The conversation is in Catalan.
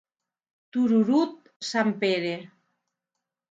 Tururut, sant Pere.